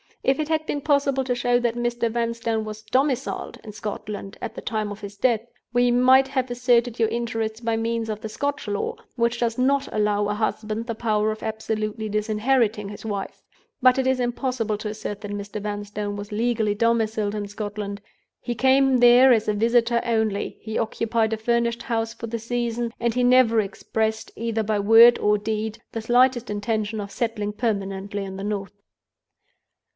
If it had been possible to show that Mr. Vanstone was domiciled in Scotland at the time of his death, we might have asserted your interests by means of the Scotch law, which does not allow a husband the power of absolutely disinheriting his wife. But it is impossible to assert that Mr. Vanstone was legally domiciled in Scotland. He came there as a visitor only; he occupied a furnished house for the season; and he never expressed, either by word or deed, the slightest intention of settling permanently in the North."